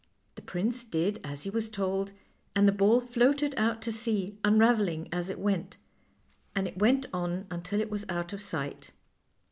The prince did as he was told, and the ball floated out to sea, unraveling as it went, and it went on until it was out of sight.